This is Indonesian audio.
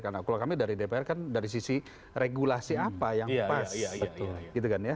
karena kalau kami dari dpr kan dari sisi regulasi apa